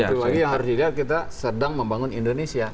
satu lagi yang harus dilihat kita sedang membangun indonesia